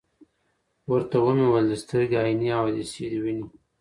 ورته ومي ویل: د سترګي عینیې او عدسیې دي وینې ؟